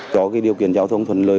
có cái điều kiện giao thông thuận lời